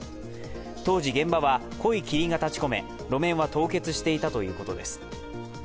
当時、現場は濃い霧が立ちこめ路面は凍結していたということです。